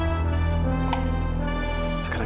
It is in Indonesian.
aku akan makan sebentar